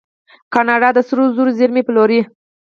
کاناډا د سرو زرو زیرمې پلورلي.